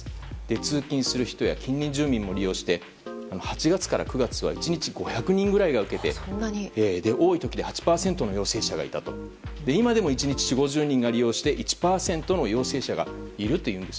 通勤する人、近隣住民も利用して８月から９月は１日５００人ぐらいが受けて多い時で８％の陽性者がいたと今でも１日４０５０人が利用して、１％の陽性者がいると。